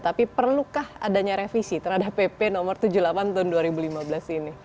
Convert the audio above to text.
tapi perlukah adanya revisi terhadap pp no tujuh puluh delapan tahun dua ribu lima belas ini